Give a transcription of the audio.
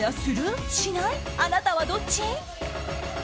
あなたはどっち？